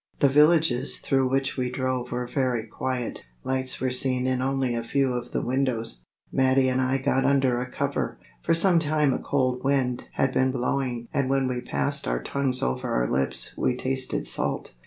The villages through which we drove were very quiet; lights were seen in only a few of the windows. Mattia and I got under a cover. For some time a cold wind had been blowing and when we passed our tongues over our lips we tasted salt.